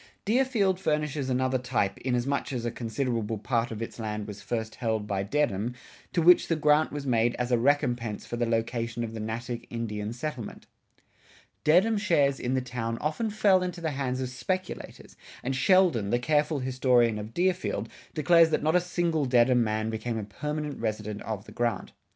Deerfield furnishes another type, inasmuch as a considerable part of its land was first held by Dedham, to which the grant was made as a recompense for the location of the Natick Indian reservation. Dedham shares in the town often fell into the hands of speculators, and Sheldon, the careful historian of Deerfield, declares that not a single Dedham man became a permanent resident of the grant.